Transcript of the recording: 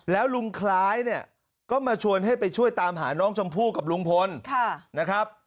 แล้วลุงคล้ายเนี่ยก็มาชวนให้ไปช่วยตามหาน้องชมพู่กับลุงพลนะครับ